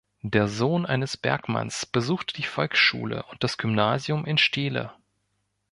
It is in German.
Der Sohn eines Bergmanns besuchte die Volksschule und das Gymnasium in Steele.